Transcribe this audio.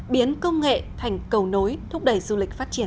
biến công nghệ thành cầu nối thúc đẩy du lịch phát triển